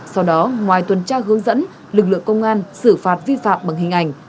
sau đó ngoài tuần tra hướng dẫn lực lượng công an xử phạt vi phạm bằng hình ảnh